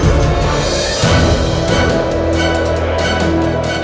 ya hari omong